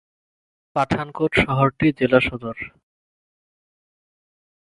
পাঠানকোট শহরটি জেলা সদর।